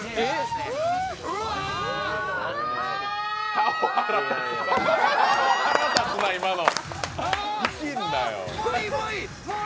顔、腹立つな、今の！